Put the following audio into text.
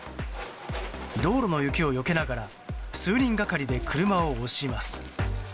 道路の雪をよけながら数人がかりで車を押します。